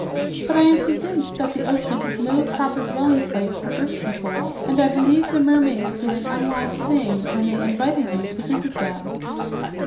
But I am convinced that the ocean is no proper dwelling place for earth people, and I believe the mermaids did an unwise thing when they invited you to visit them."